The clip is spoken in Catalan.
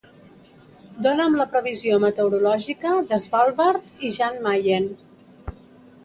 Dóna'm la previsió meteorològica de Svalbard i Jan Mayen.